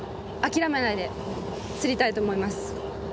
諦めないで釣りたいと思います。